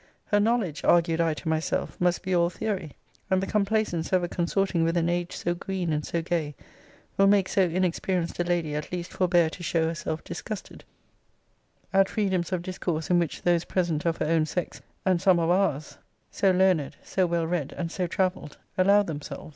Her knowledge (argued I to myself) must be all theory; and the complaisance ever consorting with an age so green and so gay, will make so inexperienced a lady at least forbear to show herself disgusted at freedoms of discourse in which those present of her own sex, and some of ours, (so learned, so well read, and so travelled,) allow themselves.